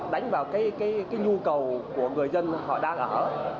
đánh vào cái nhu cầu của người dân họ đang ở